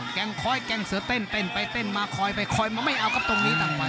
คอยแกล้งเสือเต้นเต้นไปเต้นมาคอยไปคอยมาไม่เอาครับตรงนี้ต่างวัน